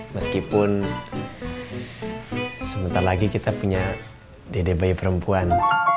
meskipun sebentar lagi kita punya dede bayi perempuan